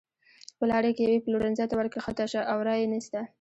په لاره کې یوې پلورنځۍ ته ورکښته شه او را یې نیسه.